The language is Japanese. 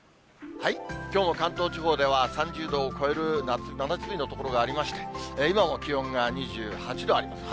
きょうも関東地方では３０度を超える真夏日の所がありまして、今も気温が２８度あります。